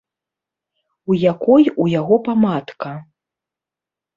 У якой у яго памадка.